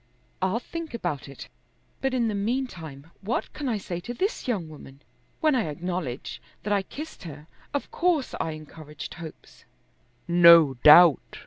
"I'll think about it, but in the meantime what can I say to this young woman? When I acknowledge that I kissed her, of course I encouraged hopes." "No doubt."